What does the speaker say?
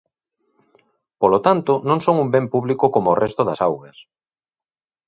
Polo tanto, non son un ben público como o resto das augas.